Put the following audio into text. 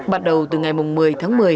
bắt đầu từ ngày một mươi tháng một mươi